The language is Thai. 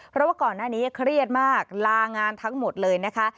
เพราะว่าก่อนหน้านี้เครียดมากลางานทั้งหมดเลยนะคะ